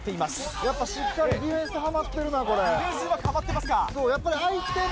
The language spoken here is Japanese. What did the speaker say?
やっぱしっかりディフェンスはまってるな。